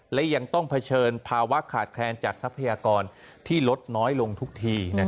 หรือเพื่อประเฉินภาวะขาดแคลนจากทัพพยากรที่ลดน้อยลงทุกที